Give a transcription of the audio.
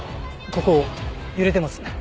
ここ揺れてますね。